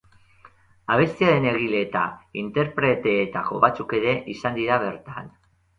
Abestiaren egile eta interpreteetako batzuk ere izan dira bertan.